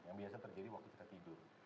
yang biasa terjadi waktu kita tidur